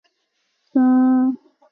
肃靖王继妃晏氏肃靖王次妃杨氏